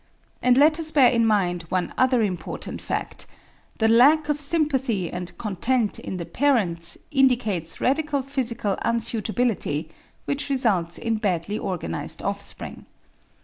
And let us bear in mind one other important fact: the lack of sympathy and content in the parents indicates radical physical unsuitability, which results in badly organized offspring.